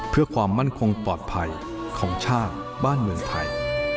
เพื่อความมั่นคงปลอดภัยของชาติบ้านเมืองไทย